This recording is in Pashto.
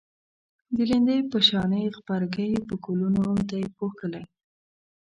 د لیندۍ په شانی غبرگی په گلونو دی پوښلی